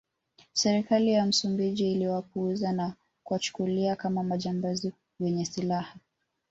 Serikali ya Msumbiji iliwapuuza na kuwachukulia kama majambazi wenye silaha